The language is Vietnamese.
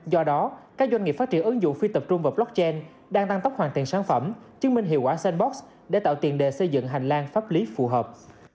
do đó các doanh nghiệp phát triển ứng dụng phi tập trung vào blockchain đang tăng tốc hoàn tiền sản phẩm chứng minh hiệu quả sandbox để tạo tiền đề xây dựng hành lang pháp lý phù hợp